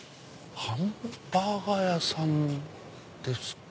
ハンバーガー屋さんですか？